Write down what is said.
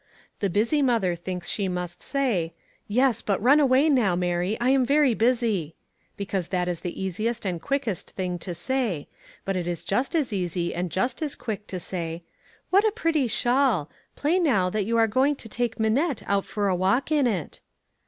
The busy mother thinks she must say, "Yes; but run away now, Mary; I am very busy!" because that is the easiest and quickest thing to say; but it is just as easy and just as quick to say, "What a pretty shawl! Play now that you are going to take Minette out for a walk in it!"